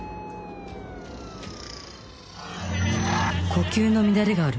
呼吸の乱れがある